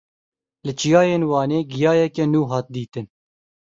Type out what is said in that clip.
Li çiyayên Wanê giyayeke nû hat dîtin.